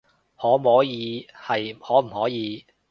可摸耳係可唔可以